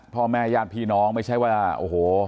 พ่อแม่ญาติพี่น้องไม่ใช่ว่าโอ้โห